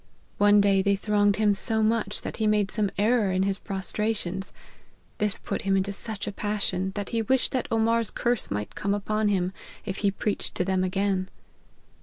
One day they thronged him so much that he made some error in his pros* trations. This put him into such a passion, that he wished that Omar's* curse might come upon him, if he preached to them again.